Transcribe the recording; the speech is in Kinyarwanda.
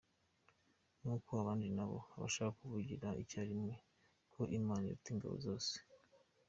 Nuko abandi nabo, abashaka kuvugira icyarimwe ko Imana iruta ingabo zose.